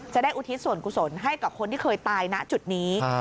อุทิศส่วนกุศลให้กับคนที่เคยตายณจุดนี้